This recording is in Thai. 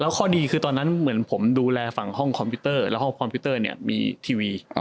แล้วดีคือตอนนั้นเหมือนผมดูแลฝั่งห้องห้องเนี้ยมีทีวีอ๋อ